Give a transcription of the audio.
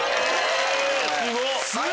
すごっ！